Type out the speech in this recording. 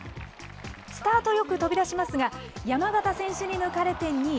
スタートよく飛び出しますが、山縣選手に抜かれて２位。